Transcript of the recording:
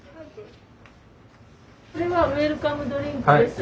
これはウェルカムドリンクです。